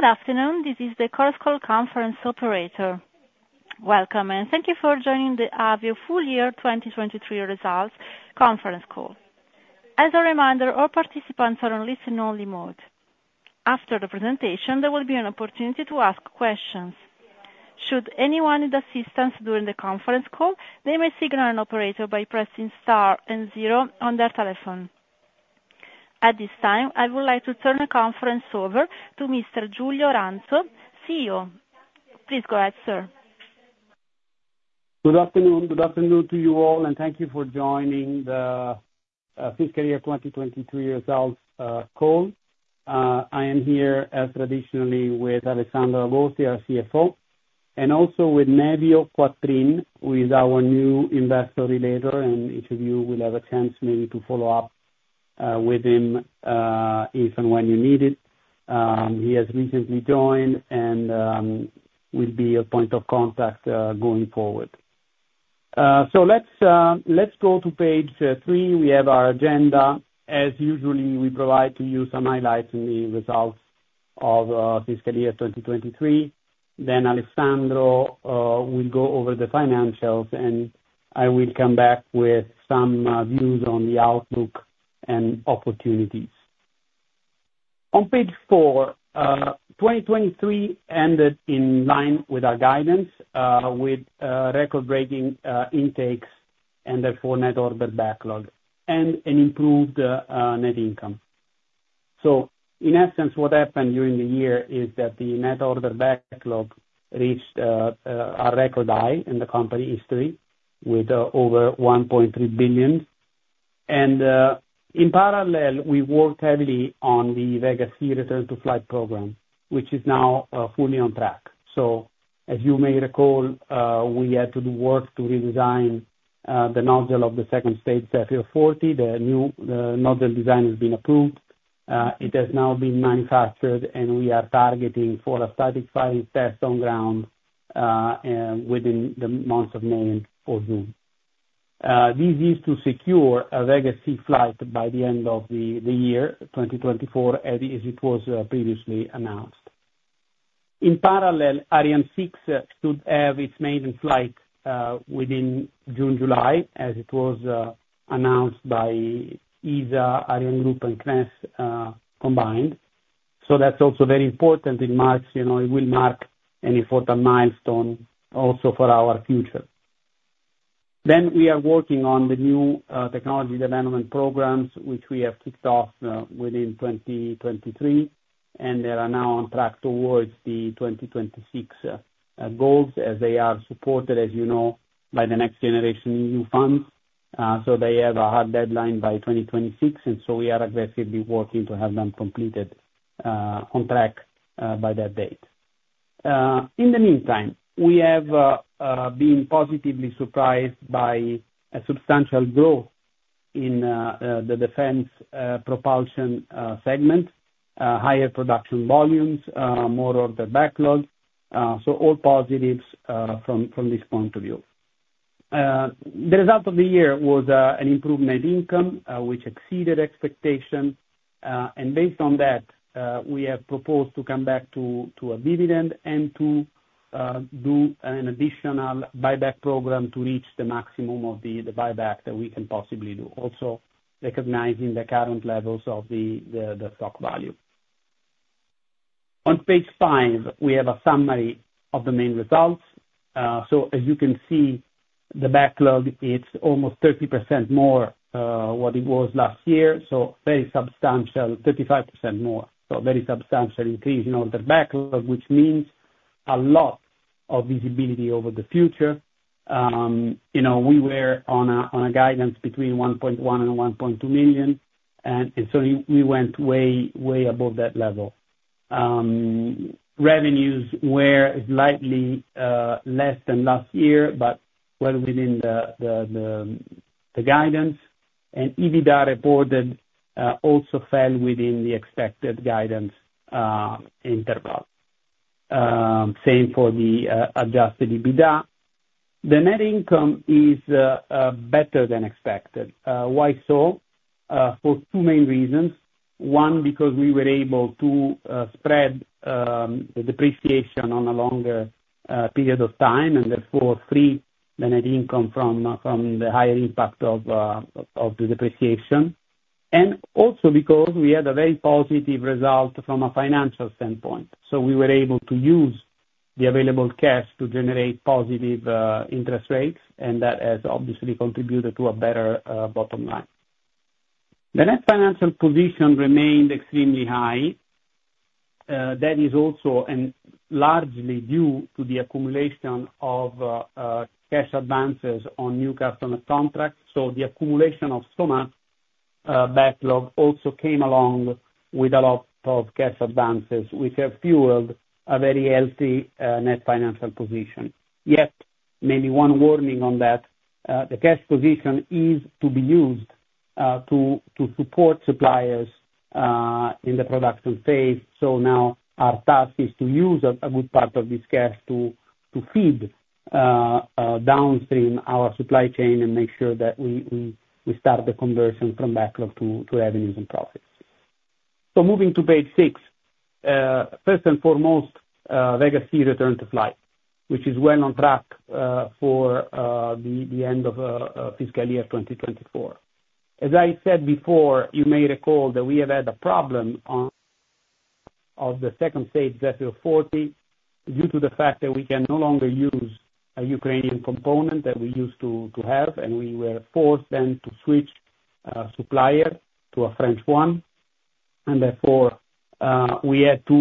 Good afternoon. This is the Chorus Call conference operator. Welcome, and thank you for joining the Avio full-year 2023 results conference call. As a reminder, all participants are on listen-only mode. After the presentation, there will be an opportunity to ask questions. Should anyone need assistance during the conference call, they may signal an operator by pressing Star and zero on their telephone. At this time, I would like to turn the conference over to Mr. Giulio Ranzo, CEO. Please go ahead, sir. Good afternoon. Good afternoon to you all, and thank you for joining the fiscal year 2023 results call. I am here, traditionally, with Alessandro Agosti, our CFO, and also with Nevio Quattrin, who is our new head of investor relations, and each of you will have a chance maybe to follow up with him, if and when you need it. He has recently joined and will be a point of contact, going forward. So let's go to Page 3. We have our agenda. As usual, we provide to you some highlights on the results of fiscal year 2023. Then Alessandro will go over the financials, and I will come back with some views on the outlook and opportunities. On Page 4, 2023 ended in line with our guidance, with record-breaking intakes and therefore net order backlog and an improved net income. So in essence, what happened during the year is that the net order backlog reached a record high in the company history with over 1.3 billion. In parallel, we worked heavily on the Vega C return-to-flight program, which is now fully on track. So as you may recall, we had to do work to redesign the nozzle of the second stage Zefiro 40. The new nozzle design has been approved. It has now been manufactured, and we are targeting for a static firing test on ground within the months of May and June. This is to secure a Vega C flight by the end of the year 2024, as it was previously announced. In parallel, Ariane 6 should have its maiden flight within June-July, as it was announced by ESA, ArianeGroup, and CNES, combined. So that's also very important in March. You know, it will mark an important milestone also for our future. Then we are working on the new technology development programs, which we have kicked off within 2023, and they are now on track towards the 2026 goals as they are supported, as you know, by the Next Generation EU funds. So they have a hard deadline by 2026, and so we are aggressively working to have them completed on track by that date. In the meantime, we have been positively surprised by a substantial growth in the Defense Propulsion segment, higher production volumes, more order backlog. So all positives from this point of view. The result of the year was an improvement in income, which exceeded expectation. Based on that, we have proposed to come back to a dividend and to do an additional buyback program to reach the maximum of the buyback that we can possibly do, also recognizing the current levels of the stock value. On Page 5, we have a summary of the main results. So as you can see, the backlog, it's almost 30% more, what it was last year, so very substantial, 35% more. So a very substantial increase in order backlog, which means a lot of visibility over the future. You know, we were on a guidance between 1.1 million and 1.2 million, and so we went way, way above that level. Revenues were slightly less than last year but well within the guidance. And EBITDA reported also fell within the expected guidance interval. Same for the adjusted EBITDA. The net income is better than expected. Why so? For two main reasons. One, because we were able to spread the depreciation on a longer period of time and therefore free the net income from the higher impact of the depreciation. And also because we had a very positive result from a financial standpoint. So we were able to use the available cash to generate positive interest rates, and that has obviously contributed to a better bottom line. The net financial position remained extremely high. That is also largely due to the accumulation of cash advances on new customer contracts. So the accumulation of so much backlog also came along with a lot of cash advances, which have fueled a very healthy net financial position. Yet maybe one warning on that, the cash position is to be used to support suppliers in the production phase. So now our task is to use a good part of this cash to feed downstream our supply chain and make sure that we start the conversion from backlog to revenues and profits. So moving to Page 6, first and foremost, Vega C return-to-flight, which is well on track, for the end of fiscal year 2024. As I said before, you may recall that we have had a problem on the second stage Zefiro 40 due to the fact that we can no longer use a Ukrainian component that we used to have, and we were forced then to switch supplier to a French one. And therefore, we had to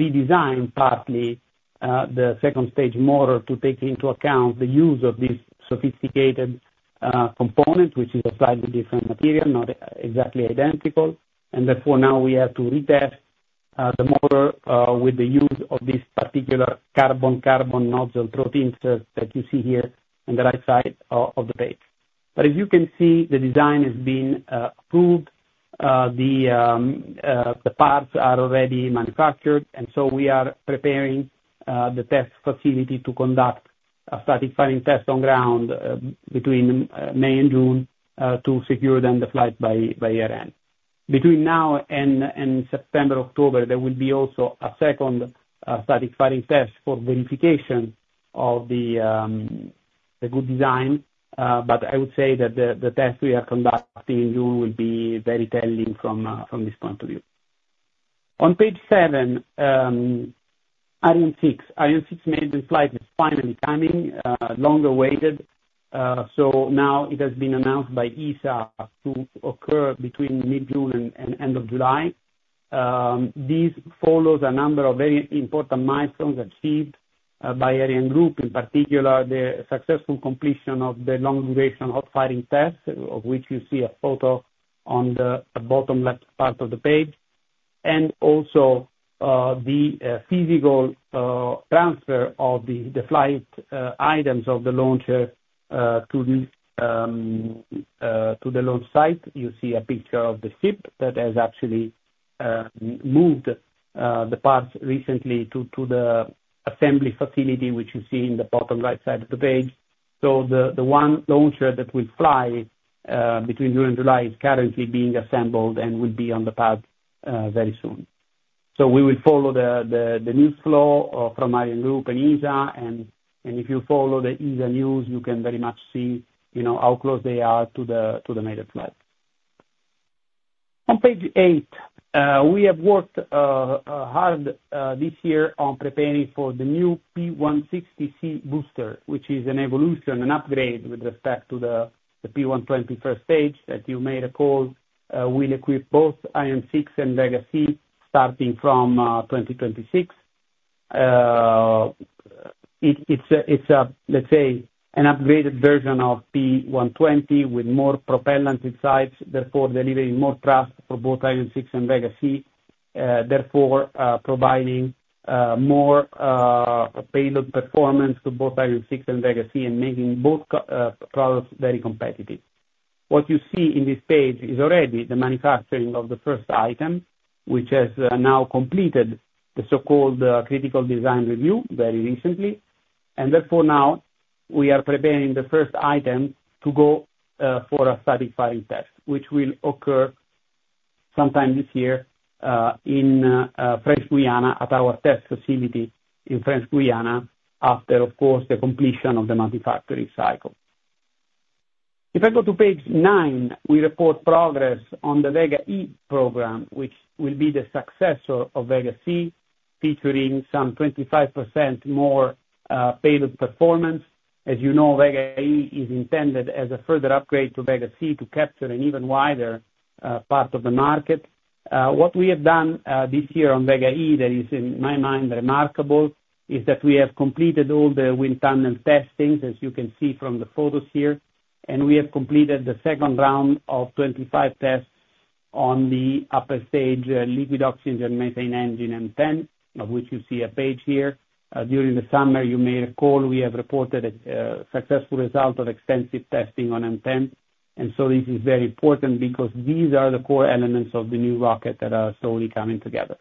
redesign partly the second stage motor to take into account the use of this sophisticated component, which is a slightly different material, not exactly identical. Therefore now we have to retest the motor with the use of this particular carbon-carbon nozzle throat insert that you see here on the right side of the page. But as you can see, the design has been approved. The parts are already manufactured, and so we are preparing the test facility to conduct a static firing test on ground between May and June to secure then the flight by year end. Between now and September, October, there will also be a second static firing test for verification of the good design. But I would say that the test we are conducting in June will be very telling from this point of view. On Page 7, I mean 6. Ariane 6 maiden flight is finally coming, long awaited. So now it has been announced by ESA to occur between mid-June and end of July. This follows a number of very important milestones achieved by ArianeGroup, in particular the successful completion of the long-duration hot firing test, of which you see a photo on the bottom left part of the page, and also the physical transfer of the flight items of the launcher to the launch site. You see a picture of the ship that has actually moved the parts recently to the assembly facility, which you see in the bottom right side of the page. So the one launcher that will fly between June and July is currently being assembled and will be on the path very soon. So we will follow the news flow from ArianeGroup and ESA. If you follow the ESA news, you can very much see, you know, how close they are to the maiden flight. On Page 8, we have worked hard this year on preparing for the new P160C booster, which is an evolution, an upgrade with respect to the P120 first stage that you may recall, will equip both Ariane 6 and Vega C starting from 2026. It's a, let's say, an upgraded version of P120 with more propellant insides, therefore delivering more thrust for both Ariane 6 and Vega C, therefore providing more payload performance to both Ariane 6 and Vega C and making both core products very competitive. What you see in this page is already the manufacturing of the first item, which has now completed the so-called critical design review very recently. Therefore now we are preparing the first item to go for a static firing test, which will occur sometime this year in French Guiana at our test facility in French Guiana after, of course, the completion of the manufacturing cycle. If I go to Page 9, we report progress on the Vega E program, which will be the successor of Vega C, featuring some 25% more payload performance. As you know, Vega E is intended as a further upgrade to Vega C to capture an even wider part of the market. What we have done this year on Vega E, that is, in my mind, remarkable is that we have completed all the wind tunnel testing, as you can see from the photos here, and we have completed the second round of 25 tests on the upper stage, liquid oxygen and methane engine M10, of which you see a page here. During the summer, you may recall, we have reported a successful result of extensive testing on M10. And so this is very important because these are the core elements of the new rocket that are slowly coming together.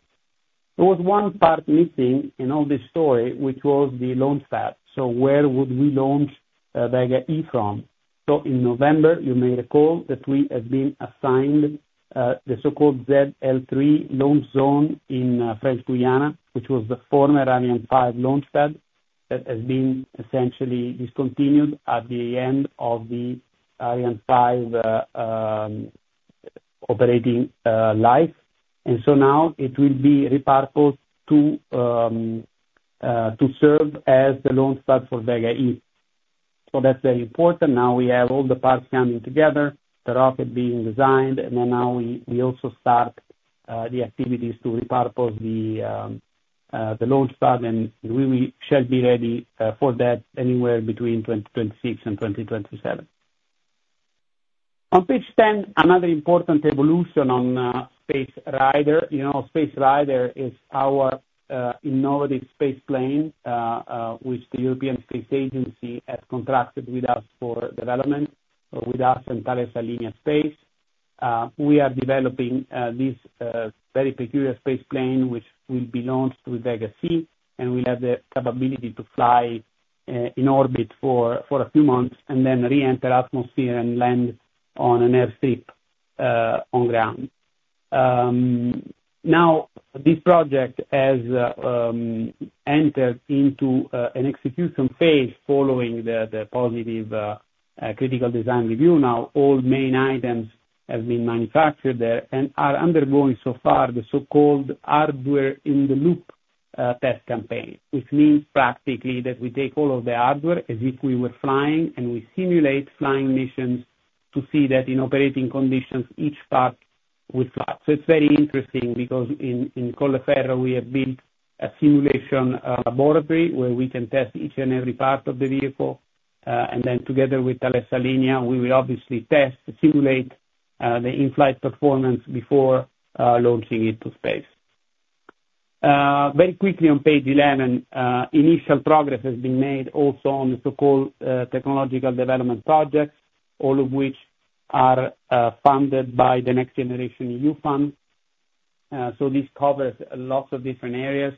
There was one part missing in all this story, which was the launch pad. So where would we launch Vega E from? So in November, you may recall that we have been assigned the so-called ZL3 launch zone in French Guiana, which was the former Ariane 5 launch pad that has been essentially discontinued at the end of the Ariane 5 operating life. And so now it will be repurposed to serve as the launch pad for Vega E. So that's very important. Now we have all the parts coming together, the rocket being designed, and then now we also start the activities to repurpose the launch pad. And we shall be ready for that anywhere between 2026 and 2027. On page 10, another important evolution on Space Rider. You know, Space Rider is our innovative spaceplane, which the European Space Agency has contracted with us for development, with us and Thales Alenia Space. We are developing this very peculiar spaceplane, which will be launched with Vega C, and will have the capability to fly in orbit for a few months and then reenter atmosphere and land on an airstrip on ground. Now this project has entered into an execution phase following the positive critical design review. Now all main items have been manufactured there and are undergoing so far the so-called hardware-in-the-loop test campaign, which means practically that we take all of the hardware as if we were flying, and we simulate flying missions to see that in operating conditions, each part will fly. So it's very interesting because in Colleferro, we have built a simulation laboratory where we can test each and every part of the vehicle. And then together with Thales Alenia, we will obviously test simulate the in-flight performance before launching it to space. Very quickly on Page 11, initial progress has been made also on the so-called technological development projects, all of which are funded by the Next Generation EU fund. This covers lots of different areas.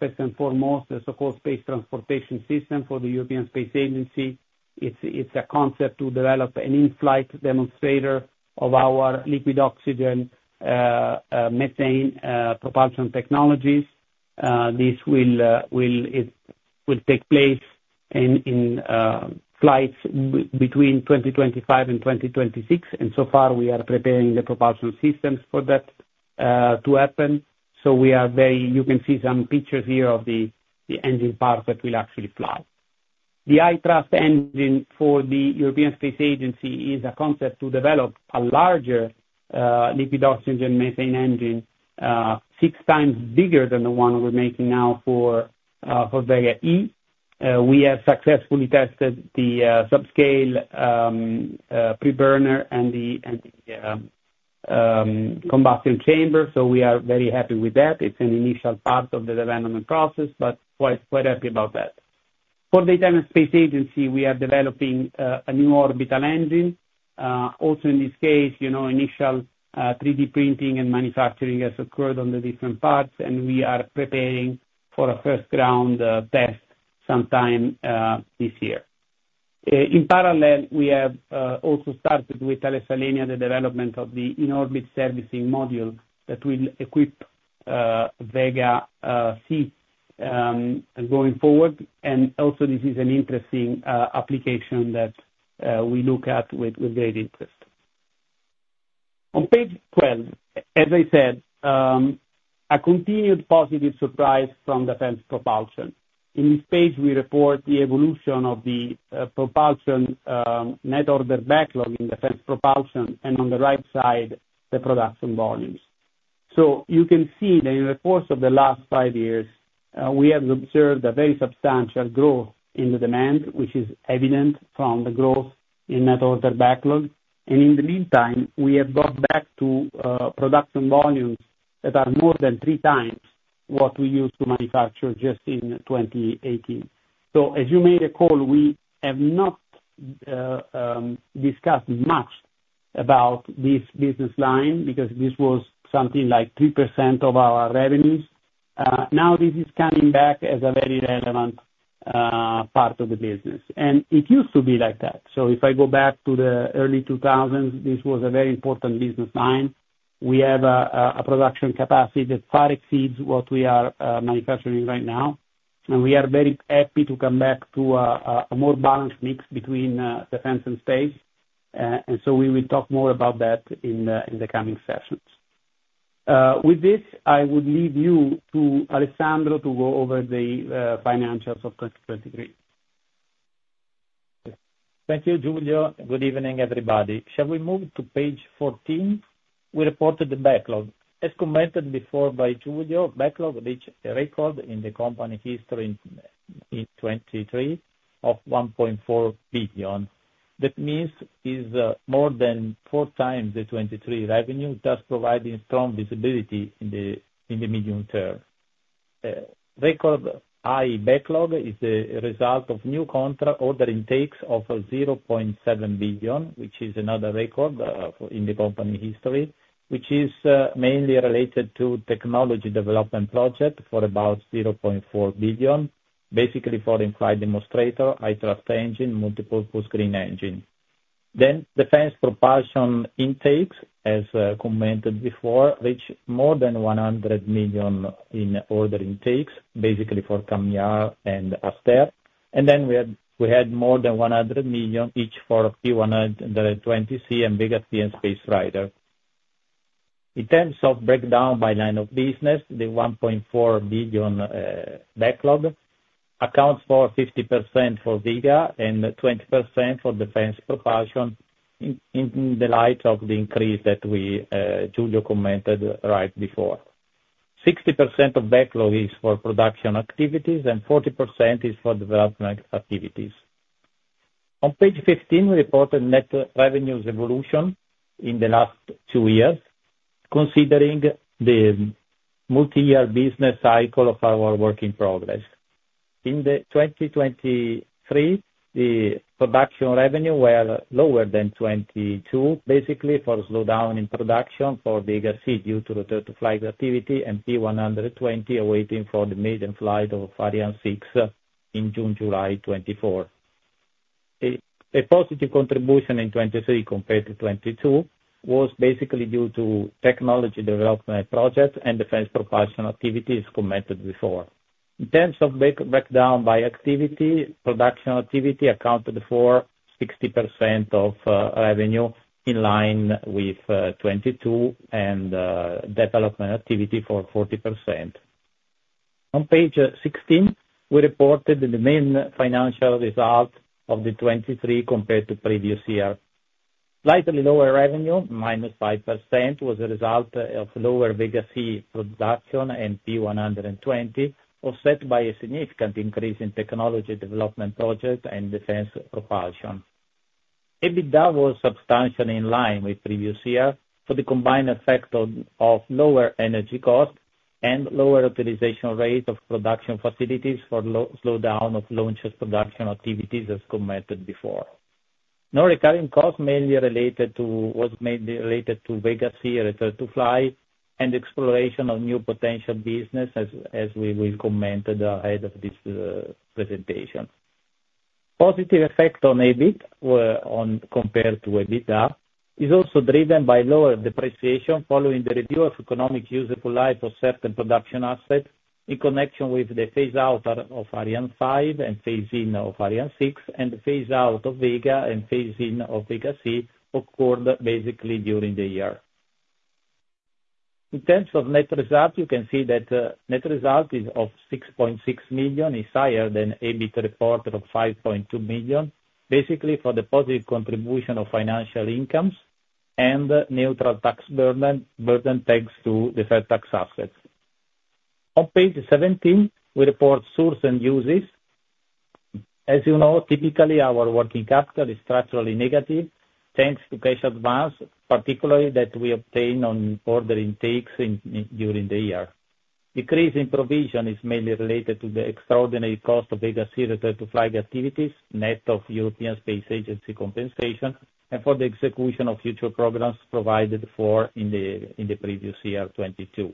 First and foremost, the so-called space transportation system for the European Space Agency. It's a concept to develop an in-flight demonstrator of our liquid oxygen methane propulsion technologies. This will take place in flights between 2025 and 2026. So far we are preparing the propulsion systems for that to happen. So we are very. You can see some pictures here of the engine parts that will actually fly. The thrust engine for the European Space Agency is a concept to develop a larger liquid oxygen and methane engine, six times bigger than the one we're making now for Vega E. We have successfully tested the subscale preburner and the combustion chamber. So we are very happy with that. It's an initial part of the development process, but quite happy about that. For the Italian Space Agency, we are developing a new orbital engine. Also in this case, you know, initial 3D printing and manufacturing has occurred on the different parts, and we are preparing for a first ground test sometime this year. In parallel, we have also started with Thales Alenia the development of the in-orbit servicing module that will equip Vega C going forward. And also this is an interesting application that we look at with great interest. On Page 12, as I said, a continued positive surprise from defense propulsion. In this page, we report the evolution of the propulsion net order backlog in defense propulsion, and on the right side, the production volumes. So you can see that in the course of the last five years, we have observed a very substantial growth in the demand, which is evident from the growth in net order backlog. And in the meantime, we have gone back to production volumes that are more than 3x what we used to manufacture just in 2018. So as you may recall, we have not discussed much about this business line because this was something like 3% of our revenues. Now this is coming back as a very relevant part of the business. And it used to be like that. So if I go back to the early 2000s, this was a very important business line. We have a production capacity that far exceeds what we are manufacturing right now. We are very happy to come back to a more balanced mix between defense and space. So we will talk more about that in the coming sessions. With this, I would leave you to Alessandro to go over the financials of 2023. Thank you, Giulio. Good evening, everybody. Shall we move to Page 14? We reported the backlog. As commented before by Giulio, backlog reached a record in the company history in 2023 of 1.4 billion. That means it's more than 4x the 2023 revenue, thus providing strong visibility in the medium-term. The record high backlog is the result of new contract order intakes of 0.7 billion, which is another record in the company history, which is mainly related to technology development project for about 0.4 billion, basically for in-flight demonstrator, High Thrust Engine, Multi-Purpose Green Engine. Then defense propulsion intakes, as commented before, reached more than 100 million in order intakes, basically for CAMM-ER and Aster. And then we had more than 100 million each for P120C and Vega C and Space Rider. In terms of breakdown by line of business, the 1.4 billion backlog accounts for 50% for Vega and 20% for defense propulsion in the light of the increase that we, Giulio commented right before. 60% of backlog is for production activities, and 40% is for development activities. On Page 15, we reported net revenues evolution in the last two years, considering the multi-year business cycle of our work in progress. In 2023, the production revenue were lower than 2022, basically for slowdown in production for Vega C due to return to flight activity and P120 awaiting for the maiden flight of Ariane 6 in June, July 2024. A positive contribution in 2023 compared to 2022 was basically due to technology development project and defense propulsion activities commented before. In terms of breakdown by activity, production activity accounted for 60% of revenue in line with 2022 and development activity for 40%. On page 16, we reported the main financial result of the 2023 compared to previous year. Slightly lower revenue, -5%, was a result of lower Vega C production and P120, offset by a significant increase in technology development project and defense propulsion. EBITDA was substantially in line with previous year for the combined effect of lower energy cost and lower utilization rate of production facilities for slowdown of launches production activities as commented before. Non-recurring costs mainly related to Vega C return to fly and exploration of new potential business as, as we will comment ahead of this, presentation. Positive effect on EBIT were on compared to EBITDA is also driven by lower depreciation following the review of economic usable life of certain production assets in connection with the phase out of Ariane 5 and phase in of Ariane 6, and the phase out of Vega and phase in of Vega C occurred basically during the year. In terms of net result, you can see that net result is 6.6 million. It's higher than EBIT reported of 5.2 million, basically for the positive contribution of financial incomes and neutral tax burden tax to the deferred tax assets. On Page 17, we report sources and uses. As you know, typically our working capital is structurally negative thanks to cash advances, particularly that we obtain on order intakes during the year. Decrease in provision is mainly related to the extraordinary cost of Vega C return to fly activities, net of European Space Agency compensation, and for the execution of future programs provided for in the previous year, 2022.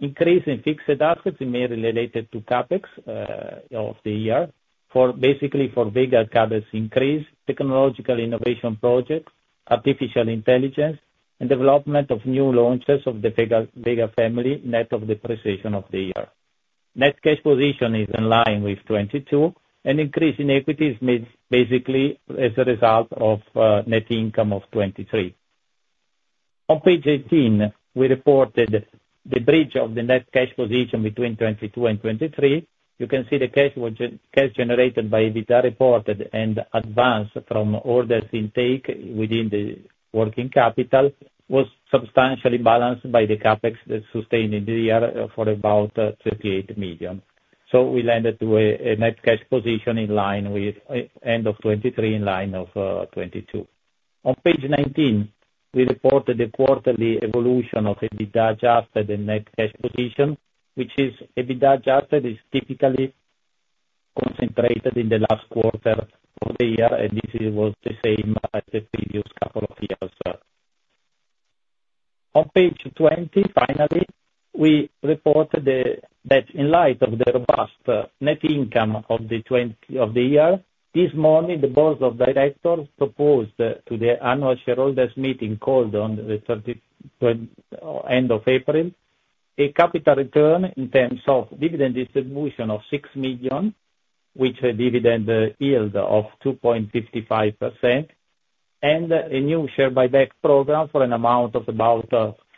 Increase in fixed assets is mainly related to CapEx of the year, basically for Vega cadence increase, technological innovation projects, artificial intelligence, and development of new launches of the Vega family, net of depreciation of the year. Net cash position is in line with 2022, and increase in equities is basically as a result of net income of 2023. On Page 18, we reported the bridge of the net cash position between 2022 and 2023. You can see the cash was cash generated by EBITDA reported and advance from orders intake within the working capital was substantially balanced by the CapEx that sustained in the year for about 38 million. So we landed to a net cash position in line with end of 2023, in line of 2022. On Page 19, we reported the quarterly evolution of EBITDA adjusted and net cash position, which is EBITDA adjusted is typically concentrated in the last quarter of the year, and this was the same as the previous couple of years. On Page 20, finally, we reported that in light of the robust net income of 2020, this morning, the Board of Directors proposed to the annual shareholders meeting called on the 30th, end of April a capital return in terms of dividend distribution of 6 million, which a dividend yield of 2.55%, and a new share buyback program for an amount of about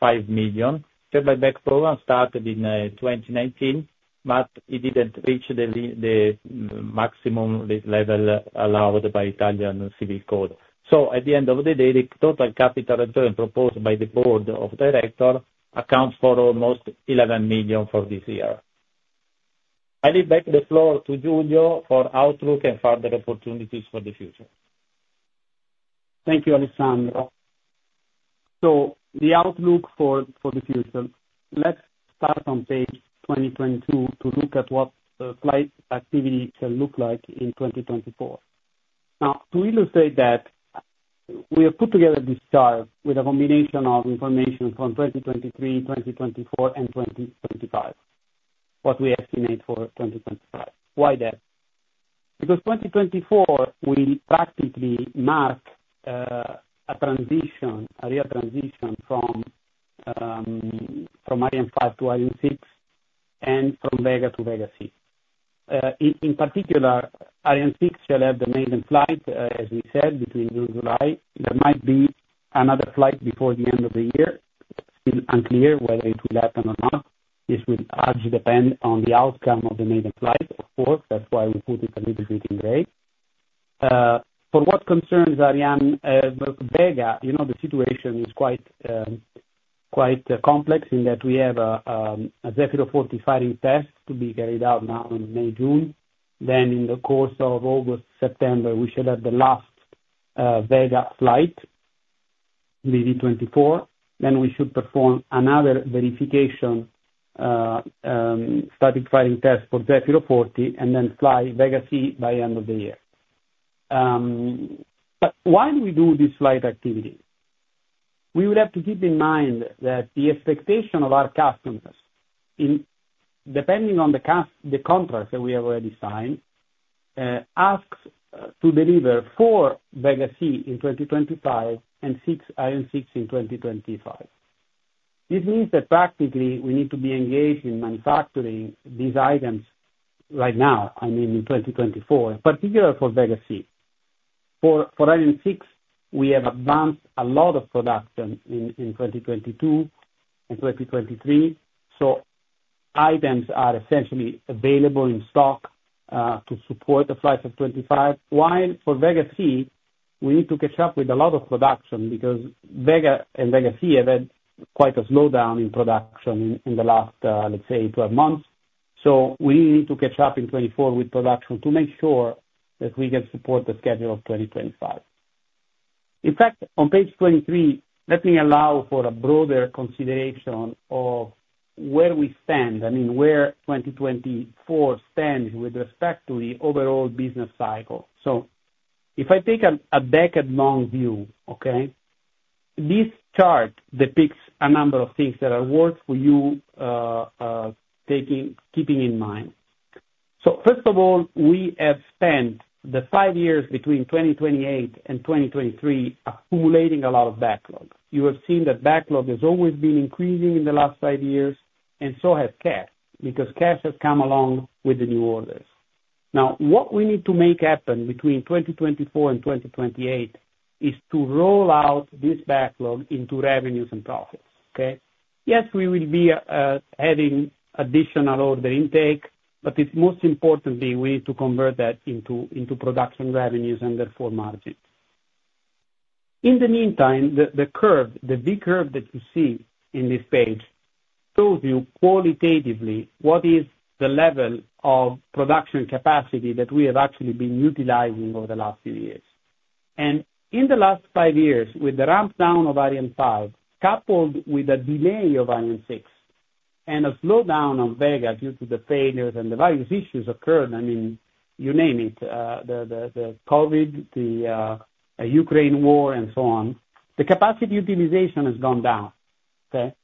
5 million. Share buyback program started in 2019, but it didn't reach the maximum level allowed by Italian Civil Code. So at the end of the day, the total capital return proposed by the board of directors accounts for almost 11 million for this year. I leave back the floor to Giulio for outlook and further opportunities for the future. Thank you, Alessandro. So the outlook for the future. Let's start on Page 22 to look at what flight activity shall look like in 2024. Now, to illustrate that, we have put together this chart with a combination of information from 2023, 2024, and 2025, what we estimate for 2025. Why that? Because 2024 will practically mark a transition, a real transition from Ariane 5 to Ariane 6 and from Vega to Vega C. In particular, Ariane 6 shall have the maiden flight, as we said, between June and July. There might be another flight before the end of the year. It's still unclear whether it will happen or not. This will largely depend on the outcome of the maiden flight, of course. That's why we put it a little bit in gray. For what concerns Ariane Vega, you know, the situation is quite, quite complex in that we have a Zefiro 40 firing test to be carried out now in May, June. Then in the course of August, September, we shall have the last Vega flight, VV24. Then we should perform another verification static firing test for Zefiro 40 and then fly Vega C by the end of the year. But why do we do this flight activity? We would have to keep in mind that the expectation of our customers in depending on the contract that we have already signed asks to deliver 4 Vega C in 2025 and 6 Ariane 6 in 2025. This means that practically, we need to be engaged in manufacturing these items right now, I mean, in 2024, in particular for Vega C. For Ariane 6, we have advanced a lot of production in 2022 and 2023, so items are essentially available in stock, to support the flights of 2025, while for Vega C, we need to catch up with a lot of production because Vega and Vega C have had quite a slowdown in production in the last, let's say, 12 months. So we need to catch up in 2024 with production to make sure that we can support the schedule of 2025. In fact, on Page 23, let me allow for a broader consideration of where we stand, I mean, where 2024 stands with respect to the overall business cycle. So if I take a decade-long view, okay, this chart depicts a number of things that are worth for you, keeping in mind. So first of all, we have spent the five years between 2028 and 2023 accumulating a lot of backlog. You have seen that backlog has always been increasing in the last five years, and so has cash because cash has come along with the new orders. Now, what we need to make happen between 2024 and 2028 is to roll out this backlog into revenues and profits, okay? Yes, we will be having additional order intake, but most importantly, we need to convert that into production revenues and therefore margins. In the meantime, the curve, the V-curve that you see in this page shows you qualitatively what is the level of production capacity that we have actually been utilizing over the last few years. And in the last five years, with the rampdown of Ariane 5 coupled with a delay of Ariane 6 and a slowdown on Vega due to the failures and the various issues occurred, I mean, you name it, the COVID, the Ukraine war, and so on, the capacity utilization has gone down, okay?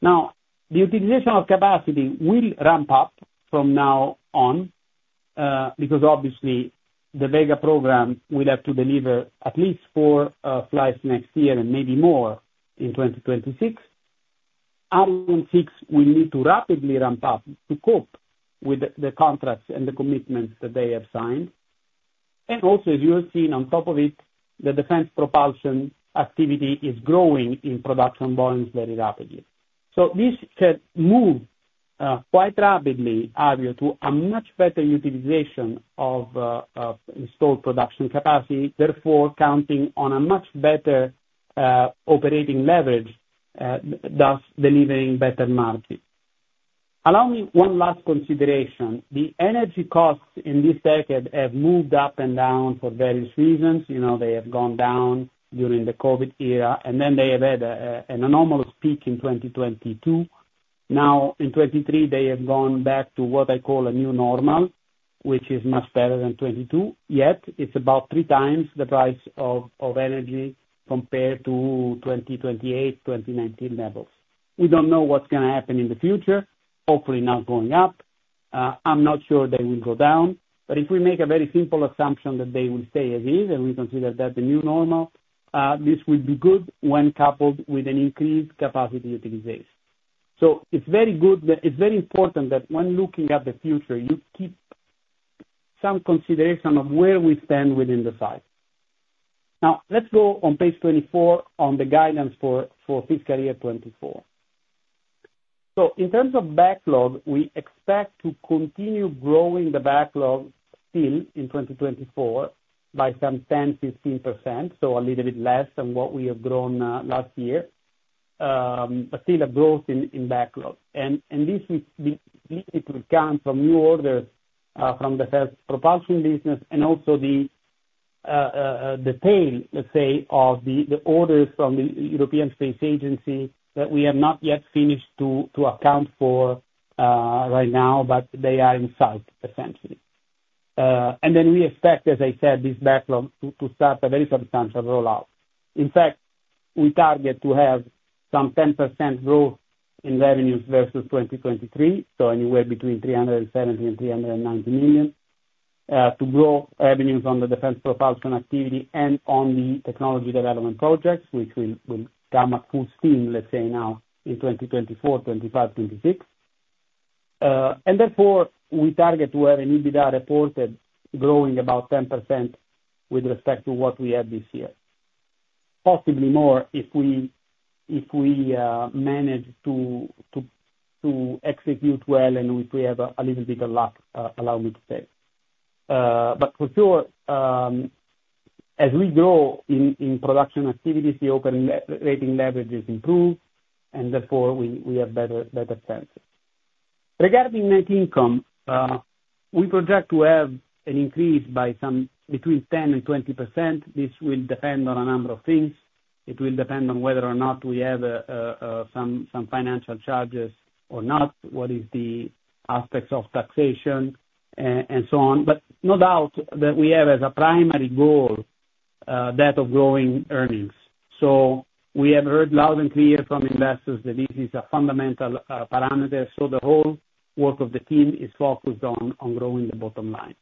Now, the utilization of capacity will ramp up from now on because obviously, the Vega program will have to deliver at least four flights next year and maybe more in 2026. Ariane 6 will need to rapidly ramp up to cope with the contracts and the commitments that they have signed. And also, as you have seen, on top of it, the defense propulsion activity is growing in production volumes very rapidly. So this shall move, quite rapidly, Avio, to a much better utilization of installed production capacity, therefore counting on a much better operating leverage, thus delivering better margins. Allow me one last consideration. The energy costs in this decade have moved up and down for various reasons. You know, they have gone down during the COVID era, and then they have had an anomalous peak in 2022. Now, in 2023, they have gone back to what I call a new normal, which is much better than 2022. Yet, it's about three times the price of energy compared to 2019 levels. We don't know what's going to happen in the future, hopefully not going up. I'm not sure they will go down, but if we make a very simple assumption that they will stay as is and we consider that the new normal, this would be good when coupled with an increased capacity utilization. So it's very good that it's very important that when looking at the future, you keep some consideration of where we stand within the flight. Now, let's go on Page 24 on the guidance for fiscal year 2024. So in terms of backlog, we expect to continue growing the backlog still in 2024 by some 10%-15%, so a little bit less than what we have grown last year, but still a growth in backlog. This will come from new orders from the space propulsion business and also the tail, let's say, of the orders from the European Space Agency that we have not yet finished to account for right now, but they are in sight, essentially. Then we expect, as I said, this backlog to start a very substantial rollout. In fact, we target to have some 10% growth in revenues versus 2023, so anywhere between 370 million-390 million, to grow revenues on the defense propulsion activity and on the technology development projects, which will come at full steam, let's say, now in 2024, 2025, 2026. Therefore, we target to have an EBITDA reported growing about 10% with respect to what we had this year, possibly more if we manage to execute well and if we have a little bit of luck, allow me to say. But for sure, as we grow in production activities, the operating leverage is improved, and therefore, we have better sense. Regarding net income, we project to have an increase by some between 10%-20%. This will depend on a number of things. It will depend on whether or not we have some financial charges or not, what is the aspects of taxation, and so on. But no doubt that we have as a primary goal that of growing earnings. So we have heard loud and clear from investors that this is a fundamental parameter. So the whole work of the team is focused on growing the bottom line.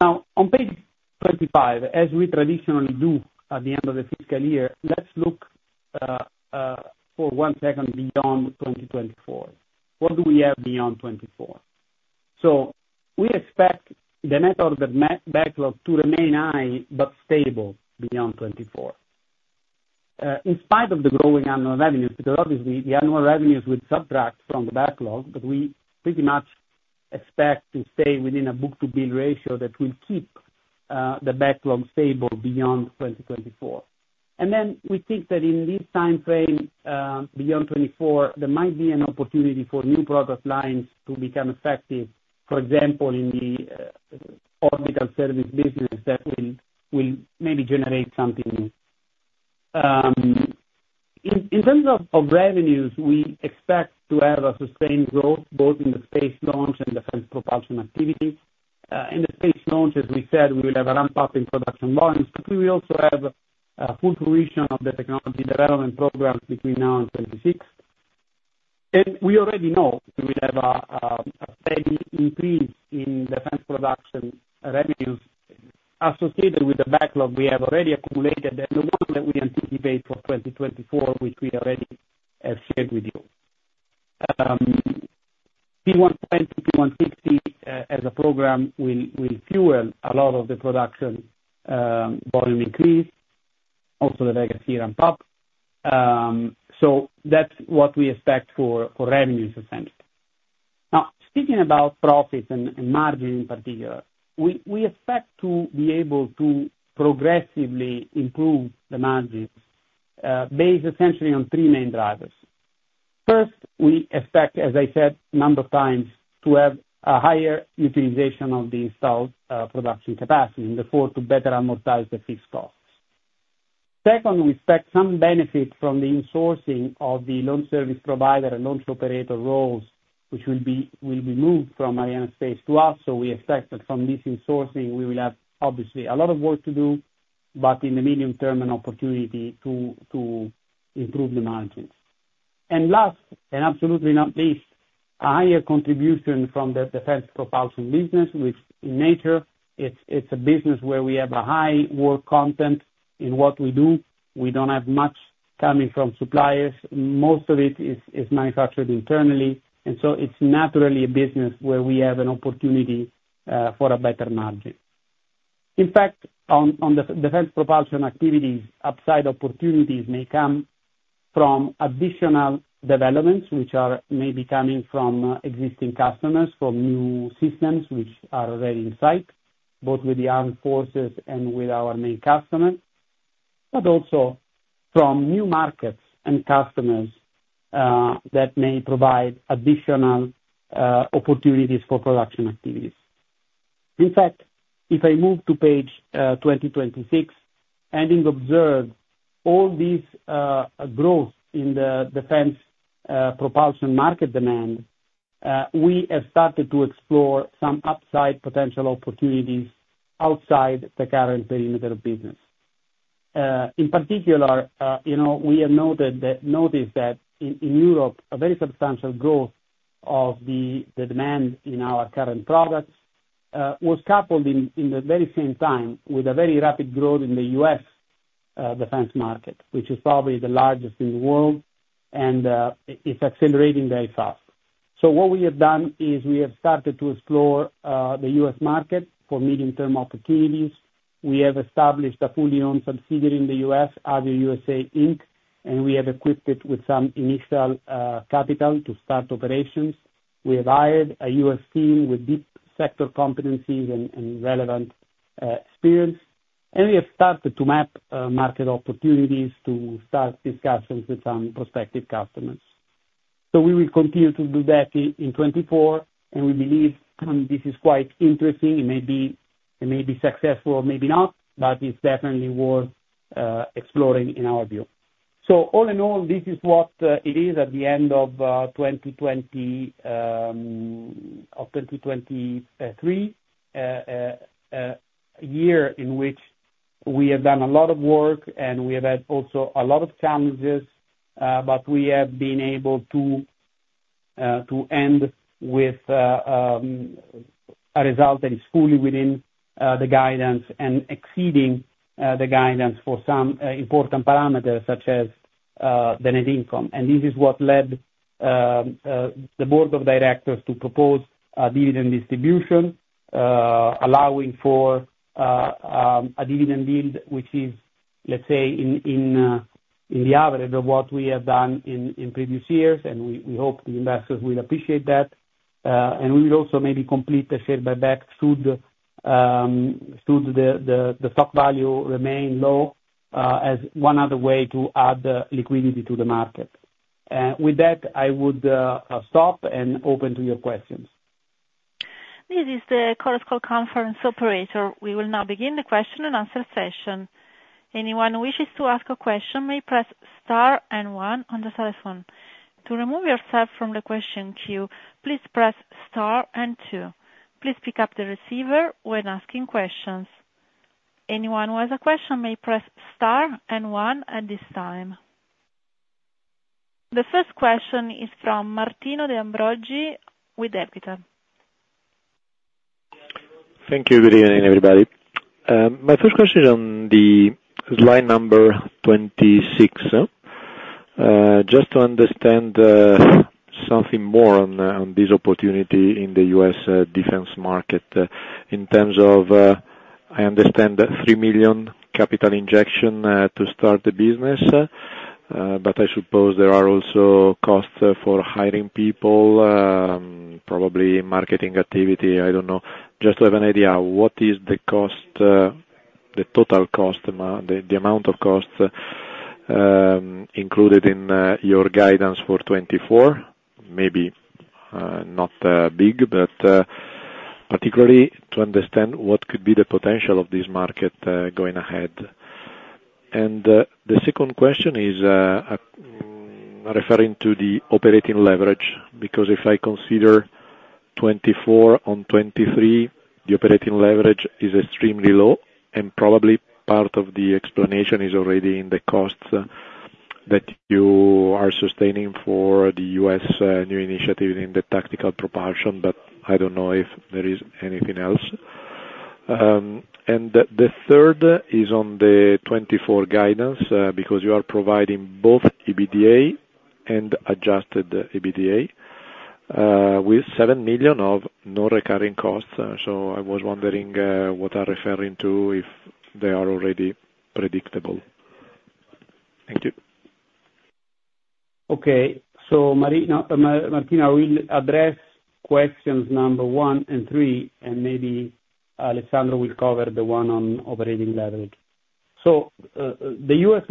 Now, on page 25, as we traditionally do at the end of the fiscal year, let's look for 1 second beyond 2024. What do we have beyond 2024? So we expect the net order backlog to remain high but stable beyond 2024 in spite of the growing annual revenues because obviously, the annual revenues will subtract from the backlog, but we pretty much expect to stay within a book-to-bill ratio that will keep the backlog stable beyond 2024. And then we think that in this time frame beyond 2024, there might be an opportunity for new product lines to become effective, for example, in the orbital service business that will maybe generate something new. In terms of revenues, we expect to have a sustained growth both in the space launch and defense propulsion activity. In the space launch, as we said, we will have a ramp-up in production volumes, but we will also have full provision of the technology development program between now and 2026. We already know we will have a steady increase in defense production revenues associated with the backlog we have already accumulated and the one that we anticipate for 2024, which we already have shared with you. P120, P160 as a program will fuel a lot of the production volume increase, also the Vega C ramp-up. That's what we expect for revenues, essentially. Now, speaking about profits and margin in particular, we expect to be able to progressively improve the margins based essentially on three main drivers. First, we expect, as I said a number of times, to have a higher utilization of the installed production capacity and therefore to better amortize the fixed costs. Second, we expect some benefit from the insourcing of the launch service provider and launch operator roles, which will be moved from Arianespace to us. So we expect that from this insourcing, we will have obviously a lot of work to do, but in the medium-term an opportunity to improve the margins. And last, and absolutely not least, a higher contribution from the defense propulsion business, which in nature, it's a business where we have a high work content in what we do. We don't have much coming from suppliers. Most of it is manufactured internally, and so it's naturally a business where we have an opportunity for a better margin. In fact, on the defense propulsion activities, upside opportunities may come from additional developments, which may be coming from existing customers, from new systems, which are already in sight, both with the armed forces and with our main customer, but also from new markets and customers that may provide additional opportunities for production activities. In fact, if I move to page 26 and I observe all this growth in the defense propulsion market demand, we have started to explore some upside potential opportunities outside the current perimeter of business. In particular, we have noticed that in Europe, a very substantial growth of the demand in our current products was coupled in the very same time with a very rapid growth in the U.S. defense market, which is probably the largest in the world, and it's accelerating very fast. So what we have done is we have started to explore the U.S. market for medium-term opportunities. We have established a fully-owned subsidiary in the U.S., Avio U.S.A. Inc., and we have equipped it with some initial capital to start operations. We have hired a U.S. team with deep sector competencies and relevant experience, and we have started to map market opportunities to start discussions with some prospective customers. So we will continue to do that in 2024, and we believe this is quite interesting. It may be successful or maybe not, but it's definitely worth exploring in our view. So all in all, this is what it is at the end of 2023, a year in which we have done a lot of work, and we have had also a lot of challenges, but we have been able to end with a result that is fully within the guidance and exceeding the guidance for some important parameters such as the net income. This is what led the Board of Directors to propose a dividend distribution, allowing for a dividend yield which is, let's say, in the average of what we have done in previous years, and we hope the investors will appreciate that. We will also maybe complete the share buyback should the stock value remain low as one other way to add liquidity to the market. With that, I would stop and open to your questions. This is the Chorus Conference operator. We will now begin the question-and-answer session. Anyone who wishes to ask a question may press Star and one on the telephone. To remove yourself from the question queue, please press Star and two. Please pick up the receiver when asking questions. Anyone who has a question may press star and one at this time. The first question is from Martino De Ambroggi with Equita. Thank you. Good evening, everybody. My first question is on the line number 26. Just to understand something more on this opportunity in the U.S. defense market in terms of I understand 3 million capital injection to start the business, but I suppose there are also costs for hiring people, probably marketing activity. I don't know. Just to have an idea, what is the total cost, the amount of costs included in your guidance for 2024? Maybe not big, but particularly to understand what could be the potential of this market going ahead. The second question is referring to the operating leverage because if I consider 2024 on 2023, the operating leverage is extremely low, and probably part of the explanation is already in the costs that you are sustaining for the U.S. new initiative in the tactical propulsion, but I don't know if there is anything else. The third is on the 2024 guidance because you are providing both EBITDA and adjusted EBITDA with 7 million of non-recurring costs. So I was wondering what you are referring to if they are already predictable. Thank you. Okay. So Martino, we'll address questions number one and three, and maybe Alessandro will cover the one on operating leverage. So the U.S.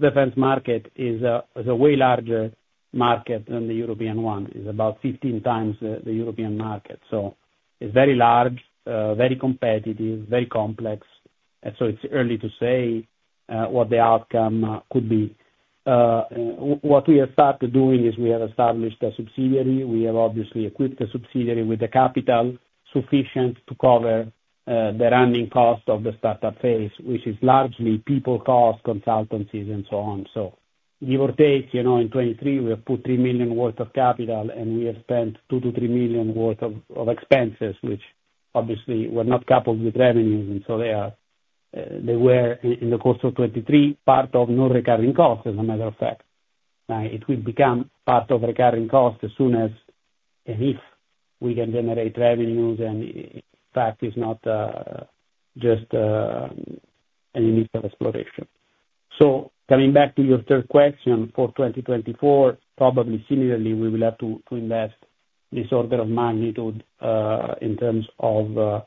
defense market is a way larger market than the European one. It's about 15x the European market. So it's very large, very competitive, very complex. And so it's early to say what the outcome could be. What we have started doing is we have established a subsidiary. We have obviously equipped a subsidiary with the capital sufficient to cover the running cost of the startup phase, which is largely people cost, consultancies, and so on. So give or take, in 2023, we have put 3 million worth of capital, and we have spent 2 million-3 million worth of expenses, which obviously were not coupled with revenues. And so they were, in the course of 2023, part of non-recurring costs, as a matter of fact. It will become part of recurring costs as soon as and if we can generate revenues, and in fact, it's not just an initial exploration. So coming back to your third question for 2024, probably similarly, we will have to invest this order of magnitude in terms of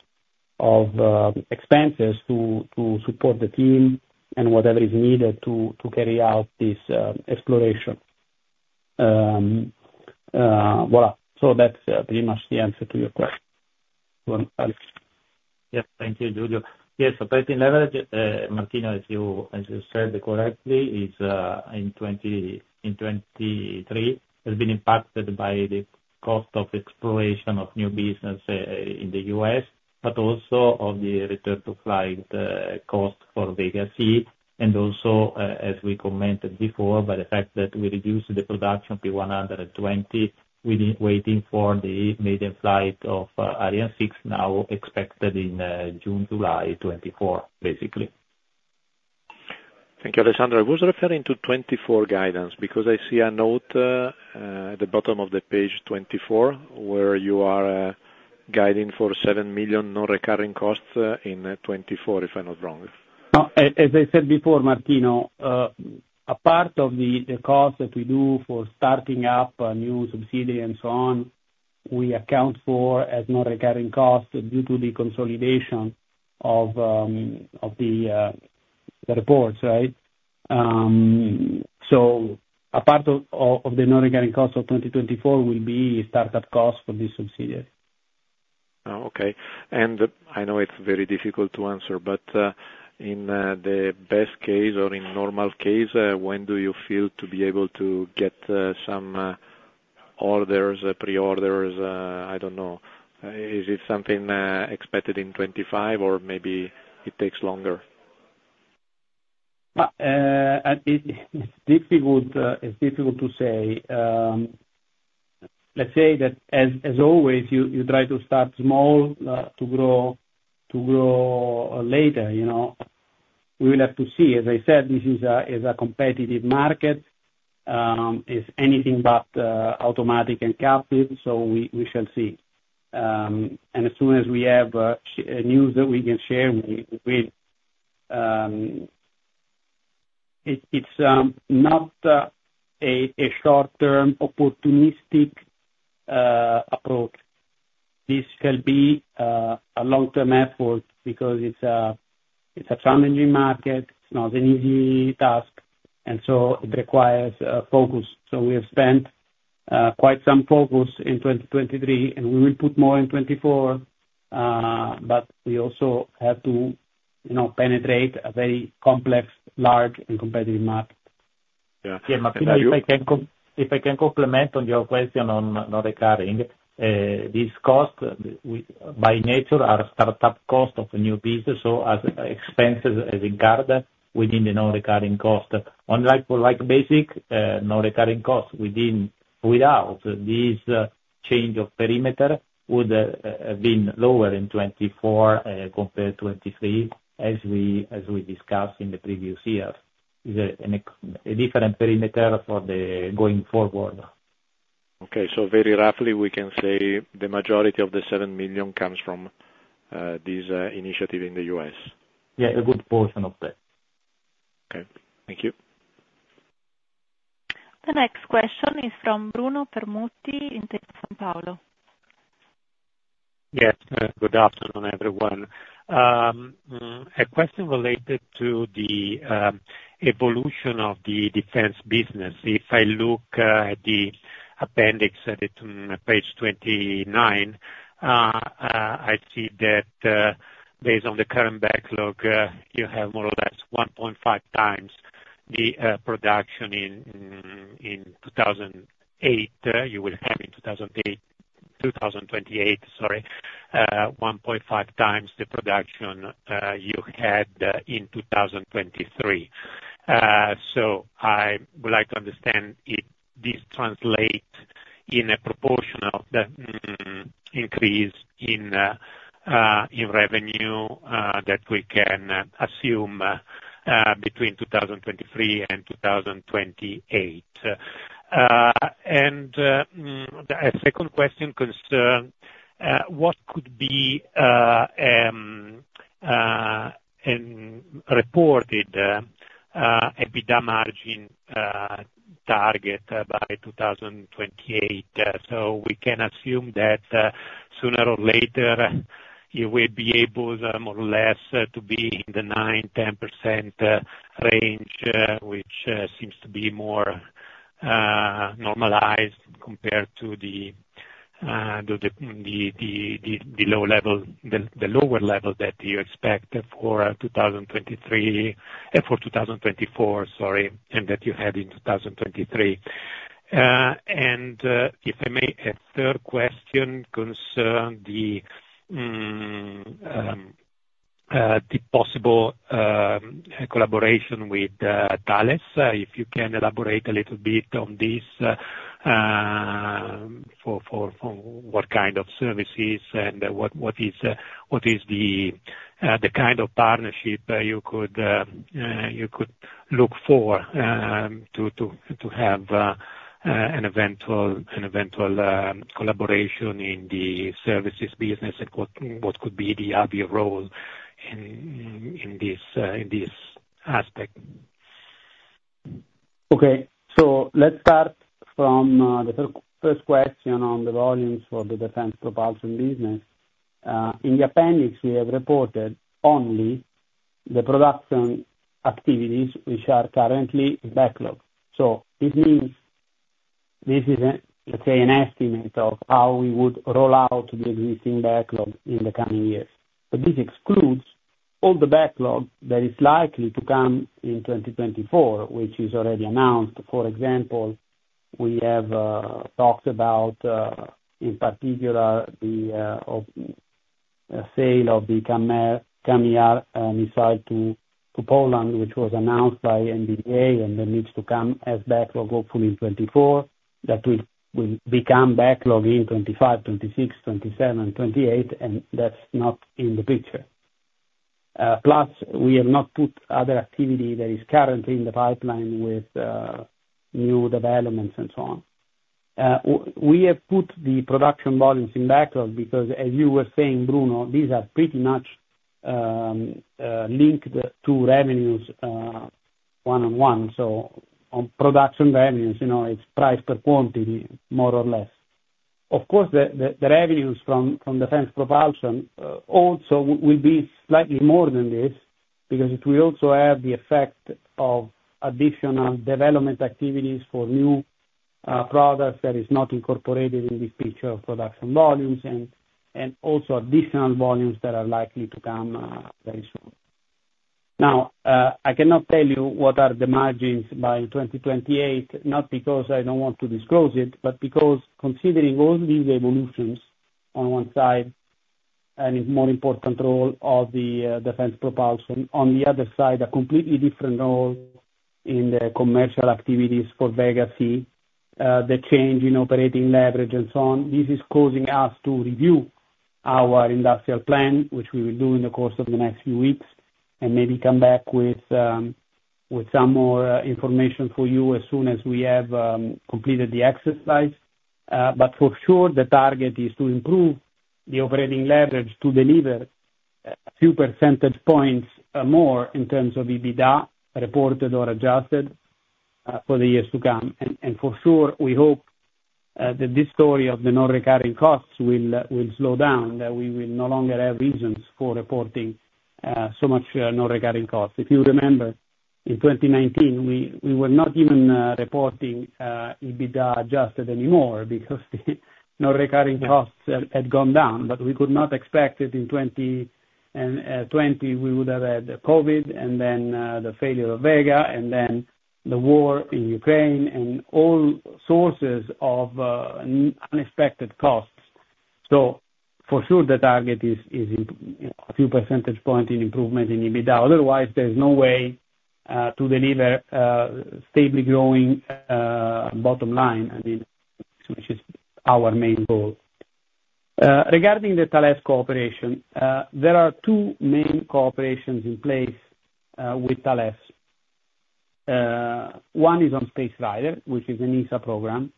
expenses to support the team and whatever is needed to carry out this exploration. Voilà. So that's pretty much the answer to your question. Yes. Thank you, Giulio. Yes. So operating leverage, Martino, as you said correctly, in 2023, has been impacted by the cost of exploration of new business in the U.S., but also of the return-to-flight cost for Vega C, and also, as we commented before, by the fact that we reduced the production P120 waiting for the maiden flight of Ariane 6 now expected in June-July 2024, basically. Thank you, Alessandro. I was referring to 2024 guidance because I see a note at the bottom of the Page 24 where you are guiding for 7 million non-recurring costs in 2024, if I'm not wrong. As I said before, Martino, a part of the cost that we do for starting up new subsidiary and so on, we account for as non-recurring costs due to the consolidation of the reports, right? So a part of the non-recurring costs of 2024 will be startup costs for this subsidiary. Okay. And I know it's very difficult to answer, but in the best case or in normal case, when do you feel to be able to get some orders, pre-orders? I don't know. Is it something expected in 2025, or maybe it takes longer? It's difficult to say. Let's say that, as always, you try to start small to grow later. We will have to see. As I said, this is a competitive market. It's anything but automatic and captive, so we shall see. And as soon as we have news that we can share, we will. It's not a short-term opportunistic approach. This shall be a long-term effort because it's a challenging market. It's not an easy task, and so it requires focus. So we have spent quite some focus in 2023, and we will put more in 2024, but we also have to penetrate a very complex, large, and competitive market. Yeah. Martina, if I can comment on your question on non-recurring, these costs, by nature, are startup costs of a new business, so as expenses arising within the non-recurring cost. Unlike for basic non-recurring costs without this change of perimeter, it would have been lower in 2024 compared to 2023 as we discussed in the previous years. It's a different perimeter for the going forward. Okay. So very roughly, we can say the majority of the 7 million comes from this initiative in the U.S. Yeah. A good portion of that. Okay. Thank you. The next question is from Bruno Permutti at Intesa Sanpaolo. Yes. Good afternoon, everyone. A question related to the evolution of the defense business. If I look at the appendix added on Page 29, I see that, based on the current backlog, you have more or less 1.5 times the production in 2008. You will have in 2028, sorry, 1.5x the production you had in 2023. So I would like to understand if this translates in a proportional increase in revenue that we can assume between 2023 and 2028. And a second question concerns what could be a reported EBITDA margin target by 2028. So we can assume that, sooner or later, you will be able, more or less, to be in the 9%-10% range, which seems to be more normalized compared to the lower level that you expect for 2024, sorry, and that you had in 2023. And if I may, a third question concerns the possible collaboration with Thales. If you can elaborate a little bit on this for what kind of services and what is the kind of partnership you could look for to have an eventual collaboration in the services business and what could be the Avio role in this aspect? Okay. So let's start from the first question on the volumes for the defense propulsion business. In the appendix, we have reported only the production activities which are currently in backlog. So this means this is, let's say, an estimate of how we would roll out the existing backlog in the coming years. But this excludes all the backlog that is likely to come in 2024, which is already announced. For example, we have talked about, in particular, the sale of the CAMM-ER missile to Poland, which was announced by MBDA and then needs to come as backlog, hopefully, in 2024, that will become backlog in 2025, 2026, 2027, 2028, and that's not in the picture. Plus, we have not put other activity that is currently in the pipeline with new developments and so on. We have put the production volumes in backlog because, as you were saying, Bruno, these are pretty much linked to revenues one-on-one. So on production revenues, it's price per quantity, more or less. Of course, the revenues from defense propulsion also will be slightly more than this because it will also have the effect of additional development activities for new products that are not incorporated in this picture of production volumes and also additional volumes that are likely to come very soon. Now, I cannot tell you what are the margins by 2028, not because I don't want to disclose it, but because, considering all these evolutions on one side, and it's a more important role of the defense propulsion, on the other side, a completely different role in the commercial activities for Vega C, the change in operating leverage, and so on, this is causing us to review our industrial plan, which we will do in the course of the next few weeks and maybe come back with some more information for you as soon as we have completed the exercise. But for sure, the target is to improve the operating leverage to deliver a few percentage points more in terms of EBITDA reported or adjusted for the years to come. For sure, we hope that this story of the non-recurring costs will slow down, that we will no longer have reasons for reporting so much non-recurring costs. If you remember, in 2019, we were not even reporting EBITDA adjusted anymore because the non-recurring costs had gone down, but we could not expect that in 2020, we would have had COVID and then the failure of Vega and then the war in Ukraine and all sources of unexpected costs. So for sure, the target is a few percentage point in improvement in EBITDA. Otherwise, there's no way to deliver a stably growing bottom line, which is our main goal. Regarding the Thales Cooperation, there are two main cooperations in place with Thales. One is on Space Rider, which is an ESA program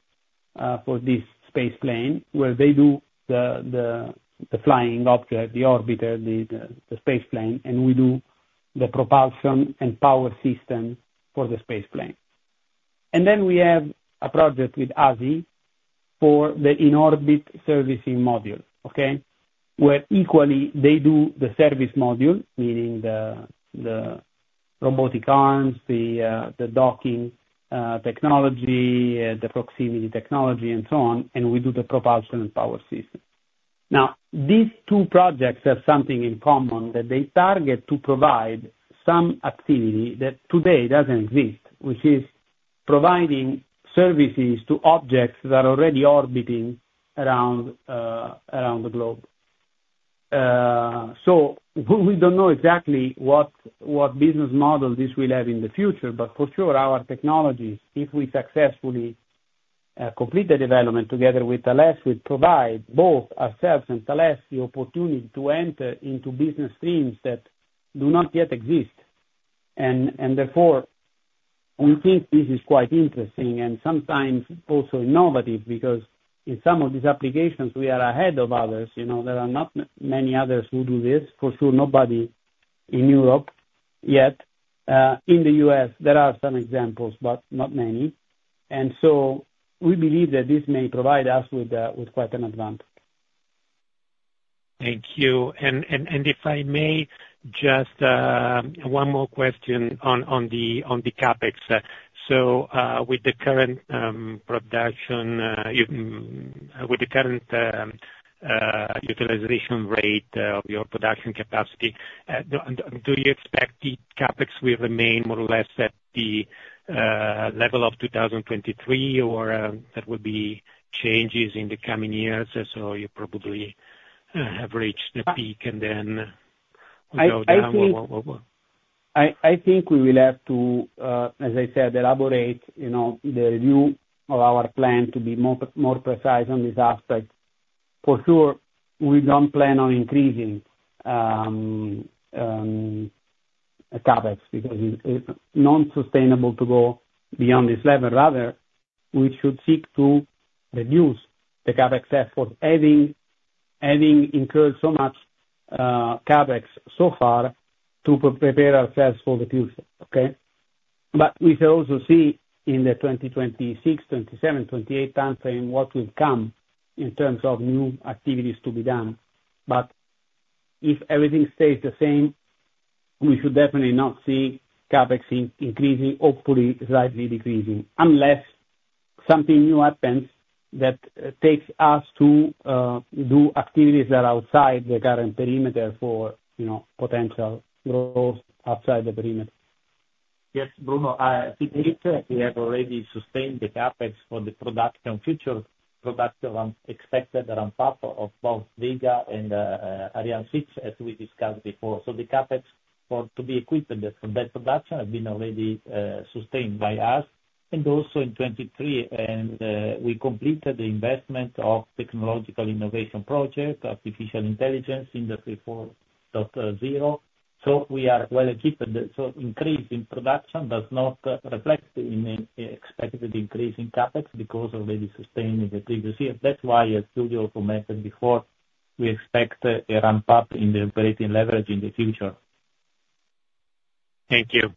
for this spaceplane, where they do the flying object, the orbiter, the spaceplane, and we do the propulsion and power system for the spaceplane. And then we have a project with ASI for the in-orbit servicing module, okay, where, equally, they do the service module, meaning the robotic arms, the docking technology, the proximity technology, and so on, and we do the propulsion and power system. Now, these two projects have something in common that they target to provide some activity that today doesn't exist, which is providing services to objects that are already orbiting around the globe. So we don't know exactly what business model this will have in the future, but for sure, our technologies, if we successfully complete the development together with Thales, will provide both ourselves and Thales the opportunity to enter into business streams that do not yet exist. And therefore, we think this is quite interesting and sometimes also innovative because, in some of these applications, we are ahead of others. There are not many others who do this. For sure, nobody in Europe yet. In the U.S., there are some examples, but not many. And so we believe that this may provide us with quite an advantage. Thank you. And if I may, just one more question on the CapEx. So with the current production, with the current utilization rate of your production capacity, do you expect the CapEx will remain more or less at the level of 2023, or there will be changes in the coming years? So you probably have reached the peak and then will go down or what? I think we will have to, as I said, elaborate the review of our plan to be more precise on this aspect. For sure, we don't plan on increasing CapEx because it's non-sustainable to go beyond this level. Rather, we should seek to reduce the CapEx effort, having incurred so much CapEx so far to prepare ourselves for the future, okay? But we shall also see in the 2026, 2027, 2028 timeframe what will come in terms of new activities to be done. But if everything stays the same, we should definitely not see CapEx increasing, hopefully, slightly decreasing, unless something new happens that takes us to do activities that are outside the current perimeter for potential growth outside the perimeter. Yes. Bruno, to date, we have already sustained the CapEx for the production future, production expected ramp-up of both Vega and Ariane 6, as we discussed before. So the CapEx to be equipped for that production has been already sustained by us. And also, in 2023, we completed the investment of technological innovation project, artificial intelligence, industry 4.0. So we are well equipped. So increase in production does not reflect an expected increase in CapEx because it was already sustained in the previous year. That's why, as Giulio also mentioned before, we expect a ramp-up in the operating leverage in the future. Thank you.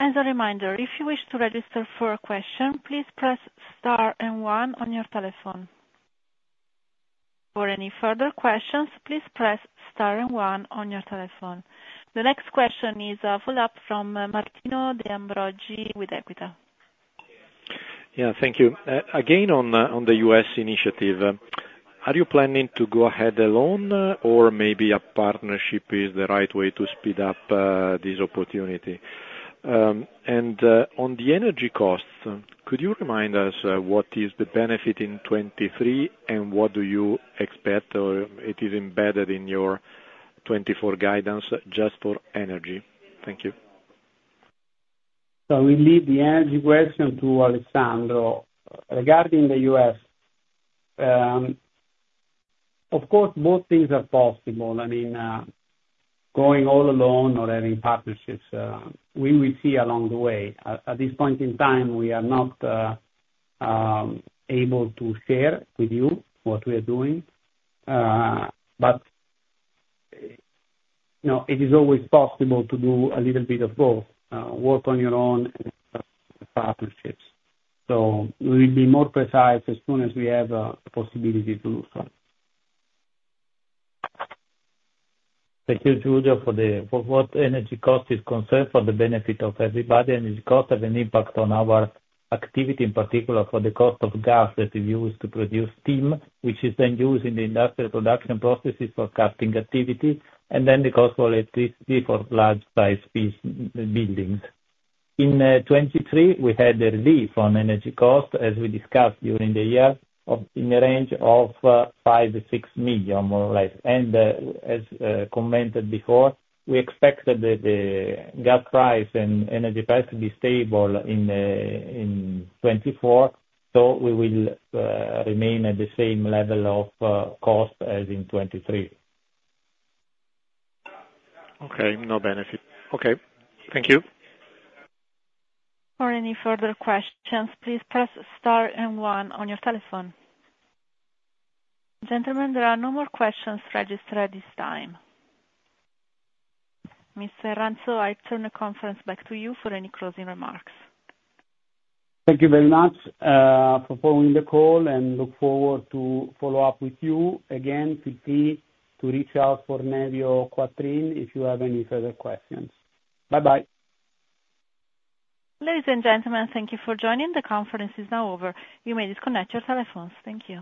A reminder, if you wish to register for a question, please press star and one on your telephone. For any further questions, please press star and one on your telephone. The next question is a follow-up from Martino De Ambroggi with Equita. Yeah. Thank you. Again, on the U.S. initiative, are you planning to go ahead alone, or maybe a partnership is the right way to speed up this opportunity? And on the energy costs, could you remind us what is the benefit in 2023, and what do you expect it is embedded in your 2024 guidance just for energy? Thank you. We leave the energy question to Alessandro. Regarding the U.S., of course, both things are possible. I mean, going all alone or having partnerships, we will see along the way. At this point in time, we are not able to share with you what we are doing, but it is always possible to do a little bit of both, work on your own and partnerships. So we will be more precise as soon as we have the possibility to do so. Thank you, Giulio, for the what energy cost is concerned for the benefit of everybody. Energy costs have an impact on our activity, in particular for the cost of gas that is used to produce steam, which is then used in the industrial production processes for casting activity, and then the cost for electricity for large-sized buildings. In 2023, we had a relief on energy cost, as we discussed during the year, in the range of 5 million-6 million, more or less. As commented before, we expected the gas price and energy price to be stable in 2024, so we will remain at the same level of cost as in 2023. Okay. No benefit. Okay. Thank you. For any further questions, please press Star and one on your telephone. Gentlemen, there are no more questions registered at this time. Mr. Ranzo, I turn the conference back to you for any closing remarks. Thank you very much for following the call and look forward to follow-up with you. Again, feel free to reach out for Nevio Quattrin if you have any further questions. Bye-bye. Ladies and gentlemen, thank you for joining. The conference is now over. You may disconnect your telephones. Thank you.